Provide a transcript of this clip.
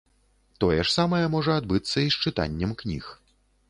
Тое ж самае можа адбыцца і з чытаннем кніг.